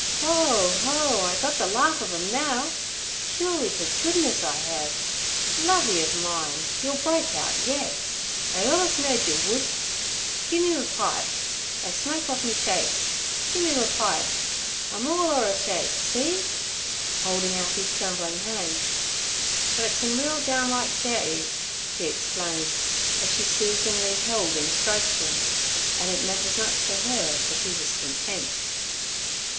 Ho! ho! I gut ther larf ov 'em now. Shooly t' goodness I hev. Lovey ov mine, ye'll break out yet; I allus knowed yer would. Gi' me me pipe t' I smoke off me shakes. Gi' me me pipe; I'm all o' a shake. See'—holding out his trembling hands—'but it's in real downright j'y' he explained, as she soothingly held and stroked them, and it meant as much to her that he was content.